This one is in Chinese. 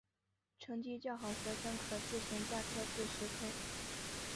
成绩较好学生可自行加科至十科。